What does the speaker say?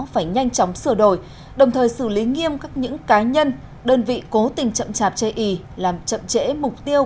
phải nhanh chóng sửa đổi đồng thời xử lý nghiêm các những cá nhân đơn vị cố tình chậm chạp chê ý làm chậm chẽ mục tiêu